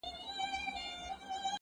کرونا جدی وګڼی؛؛!